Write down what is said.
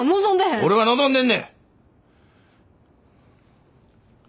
俺は望んでんね！